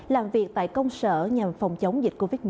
làm việc tại công sở nhằm phòng chống dịch covid một mươi